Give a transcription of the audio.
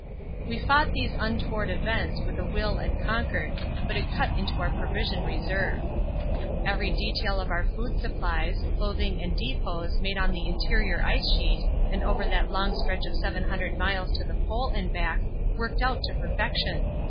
We fought these untoward events with a will and conquered, but it cut into our provision reserve. Every detail of our food supplies, clothing and depôts made on the interior ice sheet and over that long stretch of 700 miles to the Pole and back, worked out to perfection.